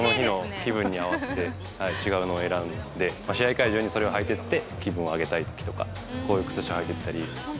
その日の気分に合わせて、選ぶんで、試合会場にそれを履いていって、気分を上げたいときとか、こういう靴下を履いて行ったり。